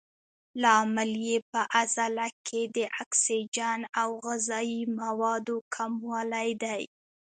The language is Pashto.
لامل یې په عضله کې د اکسیجن او غذایي موادو کموالی دی.